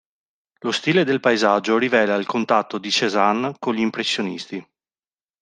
Lo stile del paesaggio rivela il contatto di Cézanne con gli impressionisti.